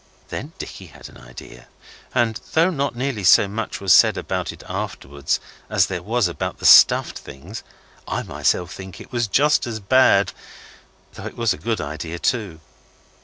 Then Dicky had an idea; and though not nearly so much was said about it afterwards as there was about the stuffed things, I think myself it was just as bad, though it was a good idea, too.